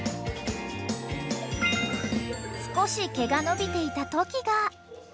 ［少し毛が伸びていたトキが］